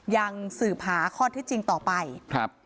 ยังสืบหาข้อที่จริงต่อไปครับ